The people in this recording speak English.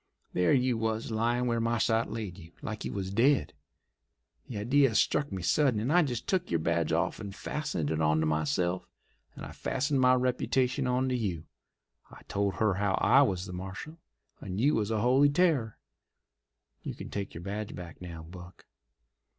There you was lyin' where my shot laid you, like you was dead. The idea struck me sudden, and I just took your badge off and fastened it onto myself, and I fastened my reputation onto you. I told her I was the marshal and you was a holy terror. You can take your badge back now, Buck."